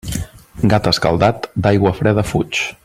Gat escaldat d'aigua freda fuig.